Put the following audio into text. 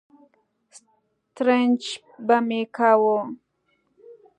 سترنج به مې کاوه.